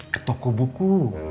ke toko buku